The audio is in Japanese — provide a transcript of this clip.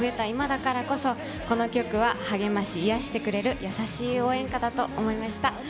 今だからこそ、この曲は励まし、癒やしてくれる優しい応援歌だと思いました。